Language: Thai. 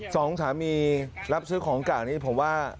สองสามีรับซื้อของเก่านี้ผมว่า